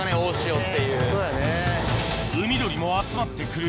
海鳥も集まって来る